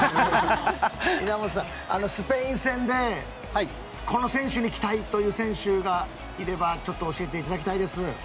稲本さん、スペイン戦でこの選手に期待という選手がいればちょっと教えていただきたいです。